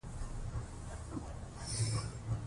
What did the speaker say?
د نڅا او حرکاتو هنر د بدن او روح تر منځ همغږي پیدا کوي.